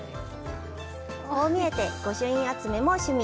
こう見えて、御朱印集めも趣味。